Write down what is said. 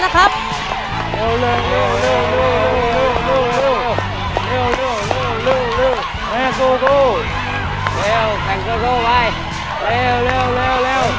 เร็วเร็วเร็วเร็ว